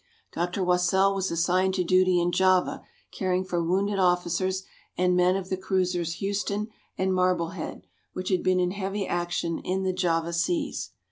Dr. Wassell was assigned to duty in Java caring for wounded officers and men of the cruisers HOUSTON and MARBLEHEAD which had been in heavy action in the Java seas.